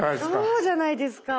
そうじゃないですか。